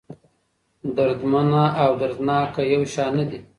دردمنه او دردناکه يو شان نه دي.